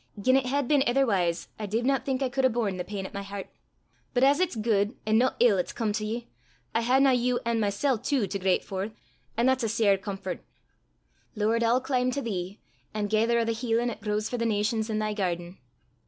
Gien it had been itherwise, I div not think I could hae borne the pain at my hert. But as it's guid an' no ill 'at's come to ye, I haena you an' mysel' tu to greit for, an' that's a sair comfort! Lord, I'll clim' to thee, an' gaither o' the healin' 'at grows for the nations i' thy gairden.